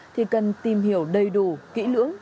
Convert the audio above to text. thì cần tìm hiểu đầy đủ kỹ lưỡng